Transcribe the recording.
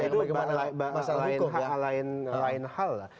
itu lain hal lah